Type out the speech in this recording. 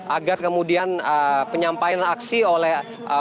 agar kemudian penyampaian aksi oleh